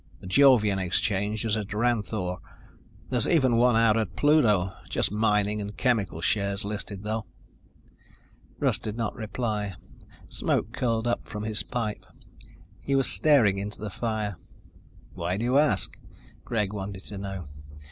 The Jovian exchange is at Ranthoor. There's even one out at Pluto. Just mining and chemical shares listed, though." Russ did not reply. Smoke curled up from his pipe. He was staring into the fire. "Why do you ask?" Greg wanted to know.